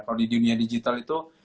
kalau di dunia digital itu